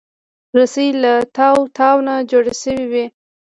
رسۍ له تاو تاو نه جوړه شوې وي.